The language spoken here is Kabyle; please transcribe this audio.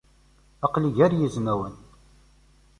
Aql-i gar yizmawen.